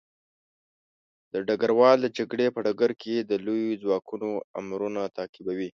ډګروال د جګړې په ډګر کې د لويو ځواکونو امرونه تعقیبوي.